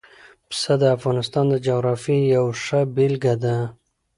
پسه د افغانستان د جغرافیې یوه ښه بېلګه ده.